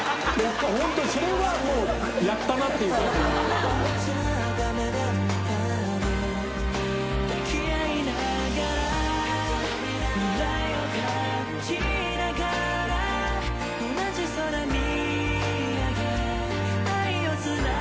榲筿それはもうやったなっていう感じの。））